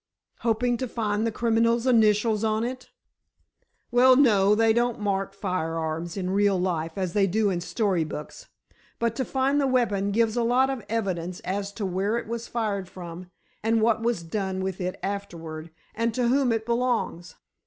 "Hoping to find the criminal's initials on it?" "Well, no, they don't mark firearms in real life, as they do in story books. But to find the weapon gives a lot of evidence as to where it was fired from, and what was done with it afterward, and to whom it belongs.